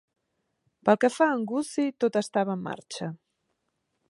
Pel que fa a en Gussie, tot estava en marxa.